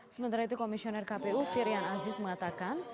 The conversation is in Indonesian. sementara itu komisioner kpu firian aziz mengatakan